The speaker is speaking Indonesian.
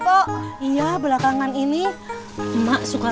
eh itu ceweknya